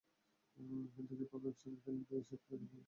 কিন্তু কীভাবে তারা একসঙ্গে খেলবে সেটা দেখার জন্য আমাদের অপেক্ষা করা চাই।